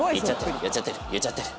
言っちゃってる。